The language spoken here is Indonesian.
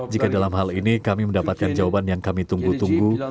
jika dalam hal ini kami mendapatkan jawaban yang kami tunggu tunggu